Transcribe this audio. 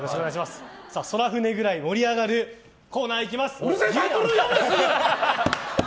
「宙船」くらい盛り上がるコーナー行きます。